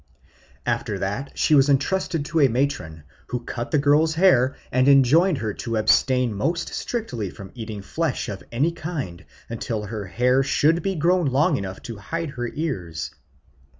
After that she was entrusted to a matron, who cut the girl's hair and enjoined her to abstain most strictly from eating flesh of any kind until her hair should be grown long enough to hide her ears.